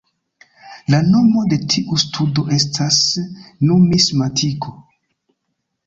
La nomo de tiu studo estas numismatiko.